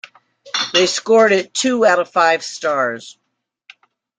They scored it two out of five stars.